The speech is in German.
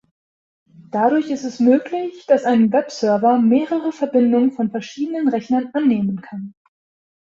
Dadurch ist es möglich, dass ein Webserver mehrere Verbindungen von verschiedenen Rechnern annehmen kann.